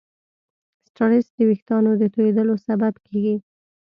سټرېس د وېښتیانو د تویېدلو سبب کېږي.